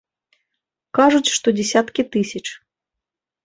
Кажуць, што дзесяткі тысяч.